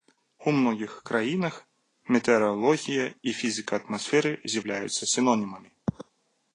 У многіх краінах метэаралогія і фізіка атмасферы з'яўляюцца сінонімамі.